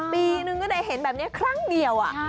ปีนึงก็ได้เห็นแบบนี้ครั้งเดียว